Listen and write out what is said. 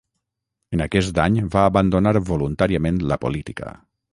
En aquest any va abandonar voluntàriament la política.